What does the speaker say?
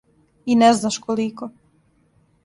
И не знаш колико.